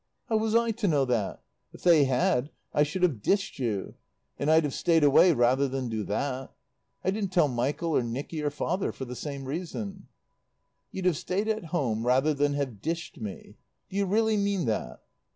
"How was I to know that? If they had I should have dished you. And I'd have stayed away rather than do that. I didn't tell Michael or Nicky or Father for the same reason." "You'd have stayed at home rather than have dished me? Do you really mean that?"